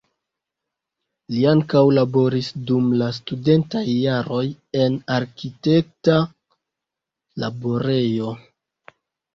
Li ankaŭ laboris dum la studentaj jaroj en arkitekta laborejo.